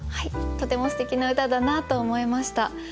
とてもすてきな歌だなと思いました。